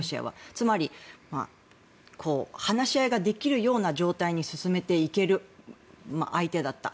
つまり、話し合いができるような状態に進めていける相手だった。